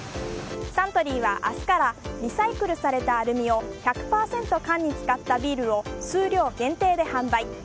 サントリーは明日からリサイクルされたアルミを１００％缶に使ったビールを数量限定で販売。